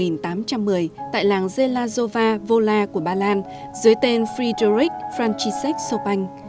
năm một nghìn tám trăm một mươi tại làng zelazowa wola của ba lan dưới tên friedrich franziszek chopin